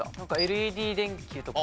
ＬＥＤ電球とか。